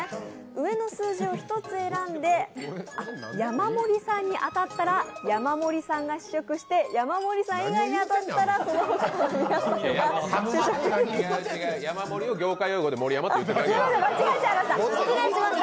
上の数字を１つ選んで山盛りさんに当たったら、山盛りさんが試食して、山盛りさん以外が当たったらそのほかの皆さんが試食できます。